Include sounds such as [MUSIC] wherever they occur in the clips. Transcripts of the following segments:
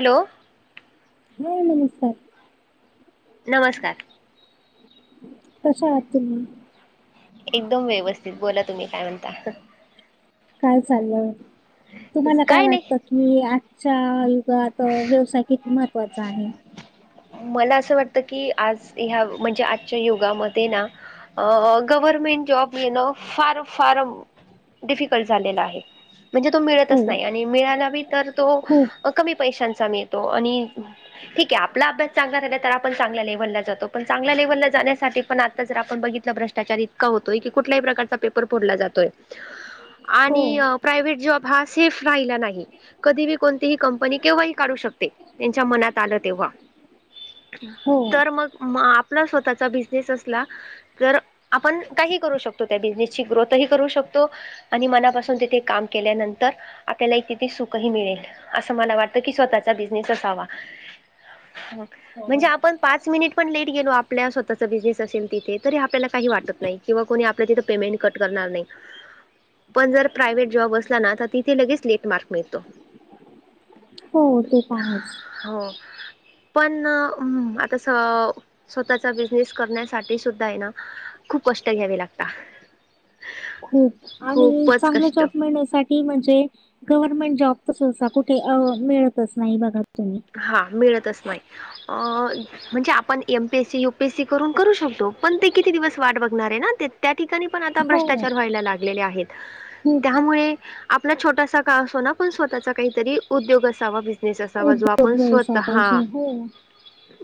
Hello. हो नमस्कार नमस्कार कशा आहात तुम्ही? एकदम व्यवस्थित बोला तुम्ही काय म्हणता काय चाललय तुम्हाला काय वाटत की आजच्या युगात अ व्यवसाय किती महत्त्वाचा आहे? मला असं वाटतं की आज ह्या म्हणजे आजच्या युगामध्ये ना अ अ गव्हर्मेंट जॉब येणं फार फार डिफिकल्ट झालेल आहे म्हणजे तो हो, मिळतच नाही आणि मिळाला बी तर खूप. तो कमी पैशांचा मिळतो आणि ठीक आहे आपला अभ्यास चांगला झाला तर आपण चांगल्या लेव्हलला जातो पण चांगल्या लेव्हलला जाण्यासाठी पण आता जर आपण बघितलं भ्रष्टा आत्याचार इतका होतोय की कुठल्याही प्रकारचा पेपर फोडला जातोय [INAUDIBLE] आणि अ प्रायवेट जॉब हा सेफ राहिला नाही कधी बी कोणतीही कंप पणी केव्हा ही काढू शकते त्यांच्या मनात आलं तेव्हा हो. तर मग आपला स्वतःचा बिझनेस असला तर आपण काही करू शकतो त्या बिझनेसची ग्रोथही करू शकतो आणि मनापासून तिथे काम केल्यानंतर आपल्याला किती सुखही मिळेल अस अस मला वाटत की स्वतःचा बिनेस असावा मग म्हणजे आपन पाच मिनिट पण लेट गेलो आपल्या स्वतःचा बिझनेस असेल तिथे तरी आपल्याला काही वाटत नाही किंवा कोणी आपल तीथं पेमेंट कट करणार नाही [INAUDIBLE] पण जर प्रायव्हेट जॉब असला ना तर तिथे लगेच लेट मार्क मिळतो हो ते पण आहेच हो पण हम आता स स्वतःचा बिझनेस करण्यासाठी सुद्धा आहे ना खूप कष्ट घ्यावे लागतात खूप आणि चांगला कष्ट जॉब मिळण्यासाठी की म्हणजे गव्हर्नमेंट जॉब तर सहसा कुठे मिळतच नाही बघा तुम्ही हा मिळतच नाही अ म्हणजे आपण एमपीएससी, युपीएससी करून करू शकतो पण ते किती दिवस वाट बघणार आहे ना त्या ठिकाणी पण आता हो, भ्रष्टाचार व्हायला लागलेले आहेत खूप त्यामुळे आपला छोटासा का असो ना पण स्वतःचा काहीतरी उद्योग असावा, बिझनेस असावा जो उद्योग आपण स्वत व्यवसाय पाहिजे. हा हो,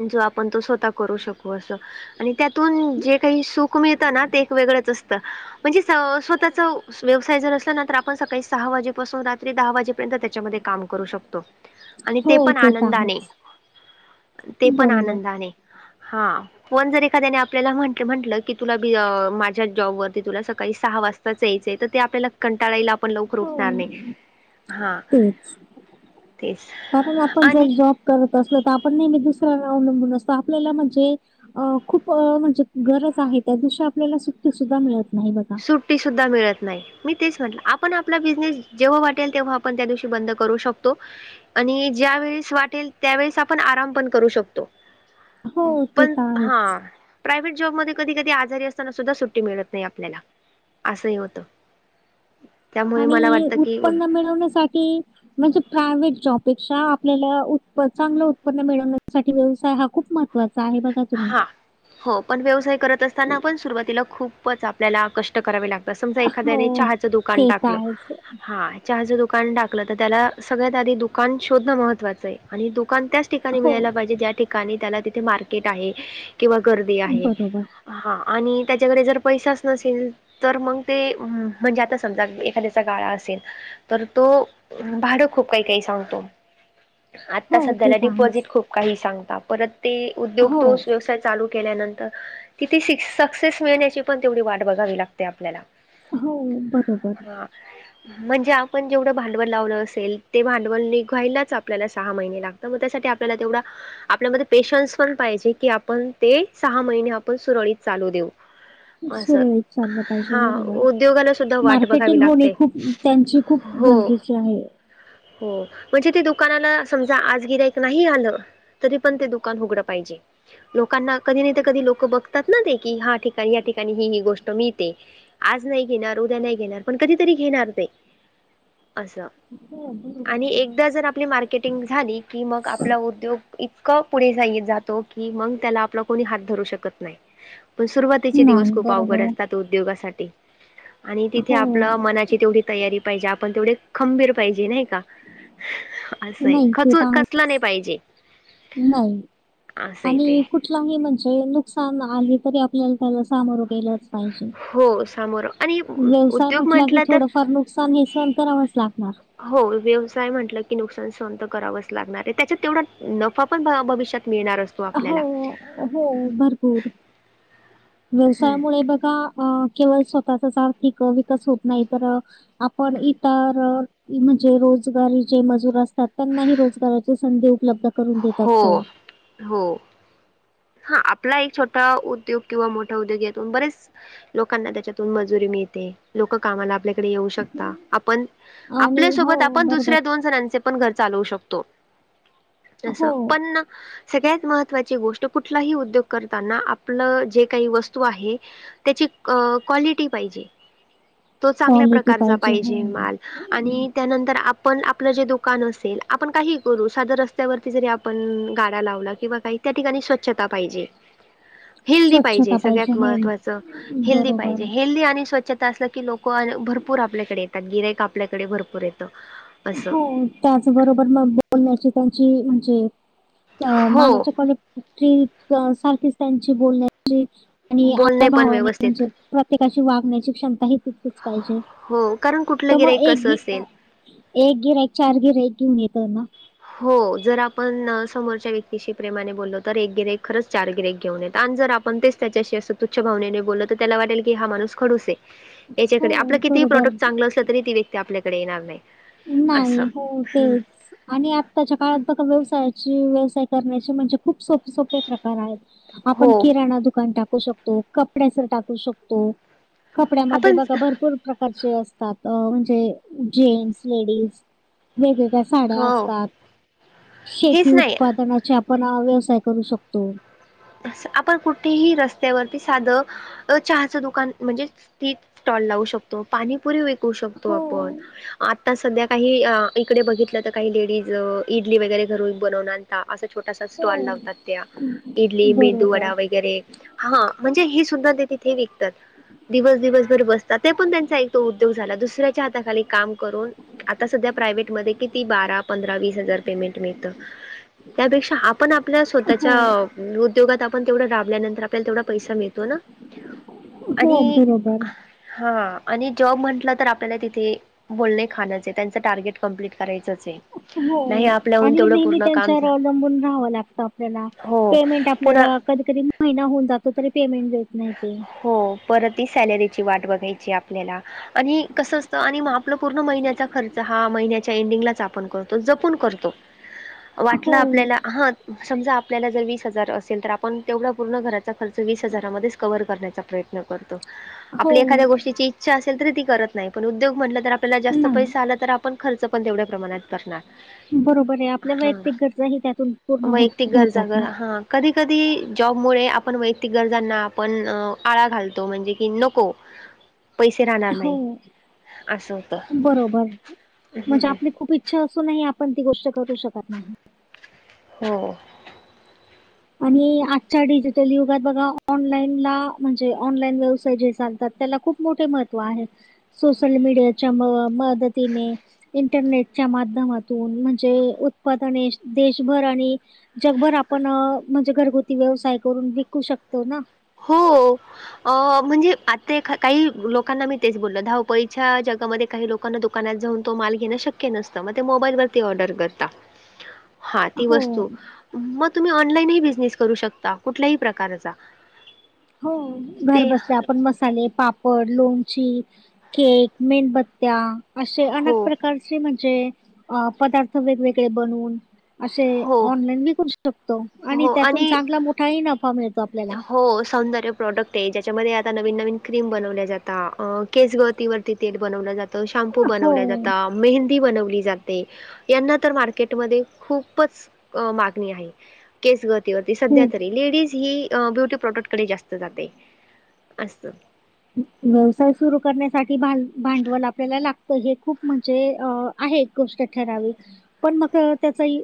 जो आपण तो स्वतः करू शकू असं आणि त्यातून जे काही सुख मिळतं ना ते एक वेगळंच असतं. म्हणजे स स्वतःचा व्यवसाय जर असला ना तर आपण सकाळी सहा वाजेपासून रात्री दहा वाजे पर्यंत त्यांच्यामध्ये काम करू शकतो आणि हो, ते पण तर आनंदाने आहेच. ते पण बरोबर. आनंदाने हा कोण जर एखाद्याने आपल्याला म्ह म्हटलं की तुला बीज माझ्या जॉबवररती तुला सकाळी सहा वाजता यायचये तर ते आपल्या कंटाळाला ये आपण लवकर हो, उठणार नाही हा तेच. तेच कारण आपण जर आणि जॉब करत असलो तर आपण नेहमी दुसऱ्यावर अवलंबून असतो आपल्याला म्हणजे अ खूप म्हणजे गरज आहे त्या दिवशी आपल्याला सुट्टी सुद्धा मिळत नाही बघा सुट्टी सुद्धा मिळत नाही मी तेच म्हटलं आपण आपला बिझनेस जेव्हा वाटेल तेव्हा आपण त्या दिवशी बंद करू शकतो आणि ज्यावेेळेस वाटेल त्यावेेळेस आपण आराम पण करू शकतो हो ते पण तर आहेच हा प्रायव्हेट जॉब मध्ये कधी-कधी आजारी असताना सुद्धा सुट्टी मिळत नाही आपल्याला असंही होतं. त्यामुळे मला आणि वाटतं की उद उत्पन्न मिळवण्यासाठी म्हणजे प्रायव्हेट जॉबपेक्षा आपल्याला उत्पन्न चांगलं उत्पन्न मिळवण्यासाठी व्यवसाय हा खूप मह [UNINTELLIGIBLE] हा हो पण व्यवसाय करत असताना पण सुरुवातीला खूपच आपल्याला कष्ट करावे लागतात समजा एखाद्याने हो चहाचं दुकान ते तर टाकलं आहेच. हा चहाचं दुकान टाकलं तर त्याला सगळ्यात आधी दुकान शोधणं महत्त्वाचं आहे आणि दुकान त्याच ठिकाणी हो मिळायला पाहिजे ज्या ठिकाणी त्याला तिथे मार्केट आहे किंवा गर्दी आहे बरोबर. हा आणि त्याच्याकडे जर पैसाच नसेल तर मग ते म्हणजे आता समजा एखाद्याचा गाळा असेल तर तो भाडं खूप काही काही सांगतो आता हो ते सध्याला तर आहेच. डिपॉजिट खूप काही सांगता परत ते उद्योग हो तो व्यवसाय चालू केल्यानंतर की ती सी सक्सेस मिळण्याची पण तेवढी वाट बघावी लाग ते आपल्याला हो बरोबर. हा [INAUDIBLE] म्हणजे आपण जेवढं भांडवल लावलं असेल ते भांडवल निघायलाच आपल्याला सहा महिने तर मग त्यासाठी आपल्याला तेवढा आपल्यामध्ये पेशन्स पण पाहिजे की आपण ते सहा महिने आपण सुरळीत चालू देऊ असं सुरळीत चाललं पाहिजे हा बरोबर उद्योगाला सुद्धा वाट बघावी मार्केटिंग होणे लागते खूप त्यांची खूप हो गरजेची आहे हो म्हणजे ते दुकानाला समजा आज गिरायक नाही आलं तरी पण ते दुकान उघड पाहिजे लोकांना कधी नाही तर कधी लोक बघ तात ना ते की हा ठिकाणी या ठिकाणी ही ही गोष्ट मिळते तर आज नाही घेणार, उद्या नाही घेणार पण कधीतरी घेणार ते असं हा बरो आणि एकदा जर आपली मार्केटिंग झाली की मग आपला उद्योग इतका पुढे जाईल जात तो की मग त्याला आपल कोणी हात धरू शकत नाही पण सुरवाती तेचे दिवस नाही खूप अवघड बरोबर. असतात उद्योगासाठी आणि तिथे हो आपलं मनाची तेवढी तयारी पाहिजे आपण तेवढे खंबीर पाहिजे नाही का असं आहे नाही ते तर खचून आहे खचला नाही पाहिजे नाही असं आहे ते आणि कुठलाही म्हणजे नुकसान आले तरी आपल्याला त्याला सामोरं गेलंच पाहिजे हो सामोरं आणि व्यवसाय उद्योग म्हटला की म्हटलं तर थोडफार नुकसान हे सहन करावच लागणार हो व्यवसाय म्हटलं की नुकसान सहन तर करावंच लागणार आहे. त्याच्यात तेवढा नफा पण भविष्यात मिळणार अस हो, हो भरपूर व्यवसायामुळे बघा अ केवळ स्वतःचाच आर्थिक विकास होत नाही तर आपण इतर म्हणजे रोजगारी जे मजूर अस त्यांनाही रोजगाराचे संधी उपलब्ध करून देत हो असतो. हो हा आपला एक छोटा उद्योग किंवा मोठा उद्योग यातून बरेच लोकांना त्याच्यातून मजुरी मिळते. लोक कामाला आपल्या येऊ शकता आपण आणि आपल्या हो सोबत आपण बरोबर दुसऱ्या दोन जणांचे पण घर चालवू शकतो हो तसं पण ना सगळ्यात महत्त्वाची गोष्ट कुठलाही उद्योग करताना आपलं जे काही वस्तू आहे त्याची क्वालिटी पाहिजे तो चांगल्या क्वालिटी प्रकारचा हो पाहिजे माल आणि त्यानंतर आपण आपलं जे दुकान असेल आपण काही करू सादरन त्या वरती जरी आपण गाडा लावला किंवा काही त्या ठिकाणी स्वच्छता पाहिजे हेल्दी पाहिजे स्वच्छता सगळ्यात हो महत्त्वाचं हेल्दी बरोबर पाहिजे हेल्दी आणि स्वच्छता असलं की लोक पण भरपूर आपल्याकडे येतात गिरायक आपल्याकडे भरपूर येत हो त्याचबरोबर मग बोलण्याची त्यांची म्हणजे अ हो मालाच्या कॉलेटीत की सारखीच त्यांची बोलण्याची आणि आता बोलणे पण भावाने व्यवस्थित म्हणजे प्रत्येकाची वागण्याची क्षमता ही कच पाहिजे हो कारण तर कुठलं मग गिरायक एक कसं गी असेल एक गिराइक चार गिराइक घेऊन येतो ना हो जर आपण समोरच्या व्यक्तीशी प्रेमाने बोललो तर एक गिरेक खरंच चार गिरेक घेऊन येत आणि जर आपण ते त्याच्याशी असं तुच्छ भावने बोलत तर त्याला वाटल की हा माणूस खडूस आहे. याच्याकडे हो आपलं कितीही बरोबर प्रॉडक्ट चांगलं असलं तरी ती व्यक्ती आपल्याकडे येणार नाही. असं नाही हो हं, तेच आणि आत्ताच्या काळात बघ व्यवसायाची व्यवसाय करण्याचे म्हणजे खूप सोपे सोपे प्रकार कार आहेत आपण हो किराणा दुकान टाकू शकतो कपड्याच टाकू शकतो. कपड्यामध्ये आपण बघा भरपूर प्रकारचे असतात म्हणजे जेन्स लेडीज वेगवेगळ्या साड्या हो असतात शेती हेच नाही उत्पादनाच्या आपण हा व्यवसाय करू शकतो. अस आपण कुठेही रस्त्यावरती साधं चहाचं दुकान म्हणजे टी स्टॉल लावू शकतो पाणीपुरी व पुशकतो हो. आपण आता सध्या काही इकडे बघितलं तर काही लेडीज इडली वगैरे घरून बनवुन आनतात आ असा छोटासा हो. स्टॉल लावतात त्या बरोबर. मेंदूवडा वैगेरे हा म्हणजे हे सुद्धा ते तिथे विकतात दिवस दिवस घर बसतात ते पण त्यांचा एक तो उद्योग झाला दुसऱ्याच्या हाताखाली काम करून आता सध्या प्रायवहेटमध्ये किती बारा पंधरा वीस हजार पेमेंट मिळत त्यापेक्षा आपण आपल्या हो, स्वतःच्या उद्योगात आपण तेवढ राबल्यानंतर आपल्याला तेवढा पैसा मिळतो ना हो आणि बरोबर. हा आणि जॉब म्हटलं तर आपल्याला तिथे बोलणे खाणच आहे त्यांच टार्गेट कम्प्लीट करायचंच आहे हो नाही आपल्याहून आणि तेवढं नेहमी पूर्ण काम त्यांच्यावर झा अवलंबून राहावं लागतं आपल्याला हो पेमेंट पुन्हा आपल्याला कधी कधी महिना होऊन जातो तरी पेमेंट देत नाही ते हो परतही सॅलरीची वाट बघायची आपल्याला आणि कसं असतं आणि म आपलं पूर्ण महिन्याचा खर्च हा महिन्याच्या एंडिंगलाच आपण करतो जपून करतो [INAUDIBLE] वाटल आपल्याला हा समजा आपल्याला जर वीस हजार असेल तर आपण तेवढ पूर्ण घरात खर्च विस हजारामधेच कण्याचा प्रयत्न करतो हो आपल्या एखाद्या गोष्टीची तसअसेल तर ती करत नाही पण उद्योग म्हटल तर आप त्याला जास्त पैसा नाही आला तर आपण खर्च पण तेवढ्या प्रमाणात करणार बरोबर आहे आपल्या हां. वैयक्तिक गरजा ही त्यातून पूर्ण हो होतात ना कधी कधी जॉबमुळे आपण वैयक्तिक गरजांना पण आळा घालतो म्हणजे की नको पैसे राहणार हो नाही असं होतं बरोबर म्हणजे आपले खूप इ इच्छा असूनही आपण ती गोष्ट करू शकत नाही. हो आणि आजच्या डिजिटल युगात बघा ऑनलाईन ला म्हणजे ऑनलाईन व्यवसाय जे चालतात त्याला खूप मोठे महत्त्व आहे सोशल मीडियाच्या म मदतीने इंटरनेटच्या माध्यमातून म्हणजे उत्पादने देशभर आणि जगभर आपण म्हणजे घरगुती व्यवसाय करून विकू शकतो ना हो अ म्हणजे आता काही लोकांना मी तेच बोलल धावपळीच्या जगामध्ये काही लोक लोकांना दुकानात जाऊन तो माल घें शक्य नसतं मग ते मोबाईलवरती ऑर्डर करता [INAUDIBLE] हा ती हो वस्तू मग तुम्ही ऑनलाईनही बिझनेस करू शकता कुठल्याही प्रकारचा हो घर ते बसल्या आपण मसाले पाप कॉडलूंगची केक मेनबत्त्या असे अनेक हो प्रकारचे अशे म्हणजे पदार्थ वेगगळे बून असे हो ऑनलाईन विकू टिकतो आणि त्यातून चांगला मोठा ही नफा मिळतो आपल्याला. हो सौंदर्य प्रोडक्ट आहे ज्याच्यामध्ये आता नवीन नवीन क्रीम बनवल्या जात आ हा केस गळतीवरती तेल बनवल जात शॅम्पू बनवल्या हो. जाता मेहंदी बनवली जाते यांना तर मार्केटमध्ये खूपच अ मागणी आहे केस गतीवरती सध्या तरी लेडीज ही ब्युटी प्रॉडक्ट कडे जास्त जाते असतील व्यवसाय सुरु करण्यासाठी भांड भांडवल आपल्याला लागत ते हे खूप म्हणजे अ आहे एक गोष्ट ठरावी पण मग तो त्याचाही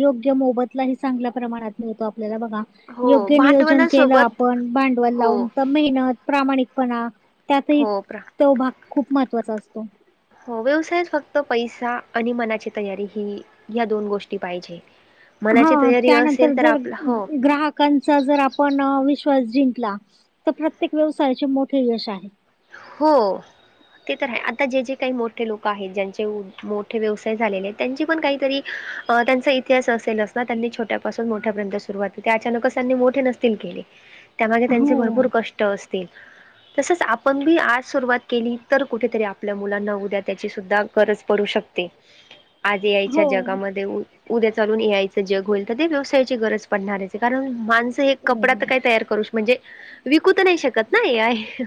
योग्य मोबदलाही चांगल्या प्रमाणात मिळतो आपल्याला बघा हो योग्य नियोजन केल भांडवलासोबत आपण भांडवल हो लावून तर मेहनत प्रामाणिकपणा त्यातही हो प्र तो भाग खूप महत्त्वाचा असतो हो व्यवसायात फक्त पैसा आणि मनाची तयारी ही या दोन गोष्टी पाहिजे हा मनाची तयारी त्यानंतर असेल तर जर आपला हो ग्राहक कोणचा जर आपण विश्वास जिंकला तर प्रत्येक व्यवसायाचे मोठे यश आहे हो ते तर आहे आता जे जे काही मोठे लोक आहेत ज्यांचे मोठे व्यवसाय झालेले आहेत त्यांची पण काहीतरी त्यांचा इतिहास असेलच ना त्यांनी छोट्यापासून मोठ्यांपर्यंत सुरुवात ते काय अचानकच त्यांनी मोठे नसतील केले ह त्यामागे त्यांचे भरपूर कष्ट असतील तसच आप पण मी आज सुरुवात केली तर कुठेतरी आपल्या मुलांना उद्या त्याचीसुद्धा गरज पडू शकते [INAUDIBLE] आजी यायच्या हो. जगामध्ये उद्या चालून यायच जग होईल तर ते व्यवसायाची गरज पडणार आहे कारण माण ते कपडा तर काही बरोबर. तयार करू म्हणजे विकू तर नाही शकत ना हे आहे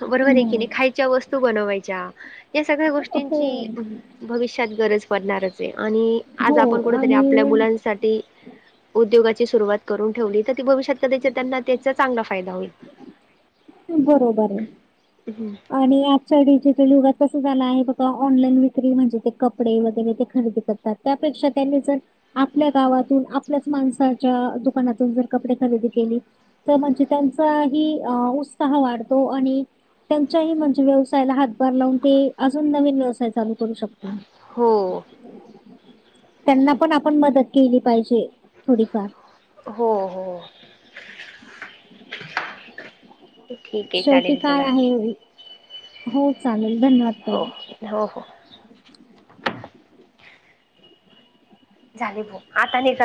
बरोबर आहे की नाही हं. खायच्या वस्तू बनवायच्या या सगळ्या गोष्टींची हो. भविष्यात गरज पडणारच आहे आणि हो आज आपण कुठतरी आपल्या आणि मुलांसाठ ती उद्योगाची सुरुवात करून ठेवली तर ती भविष्यात कधीचे त्यांना तेच चांगला फायदा होईल. हम्म बरोबर. आहे. [UNINTELLIGIBLE] आणि आजच्या डिजिटल युगात कसं झालं आहे बघा ऑनलाईन विक्री म्हणजे ते कपडे वगैरे ते खरेदी कर त त्यापेक्षा त्यांनी जर. आपल्या गावातून आपल्याच माणसाच्या दुकानातून जर कपडे खरेदी केले तर म्हणजे त्यांचा ही अ उत्साह वाढतो आणि त्यांच्याही म्हणजे व्यवसायाला हातभार लावून ते अजून नवीन व्यवसाय चालू करू शकतील हो त्यांना पण आपण मदत केली पाहिजे थोडीफार हो हो ठीक आहे शेवटी चालेल काय चला आहे हो चालेल धन्यवाद हो ताई. हो हो झाली भो आता नाही कर